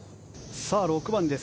６番です。